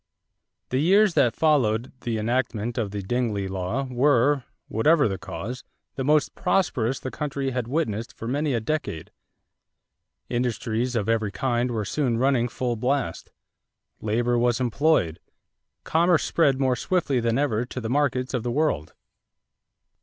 = The years that followed the enactment of the Dingley law were, whatever the cause, the most prosperous the country had witnessed for many a decade. Industries of every kind were soon running full blast; labor was employed; commerce spread more swiftly than ever to the markets of the world.